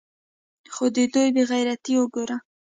خو د دوى بې غيرتي اوګوره.